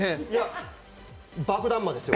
爆弾魔ですよ。